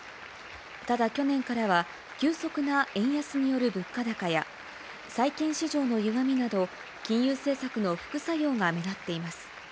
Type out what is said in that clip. ただ去年からは、急速な円安による物価高や、債券市場のゆがみなど、金融政策の副作用が目立っています。